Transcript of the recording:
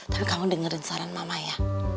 tapi kamu dengerin saran mama ya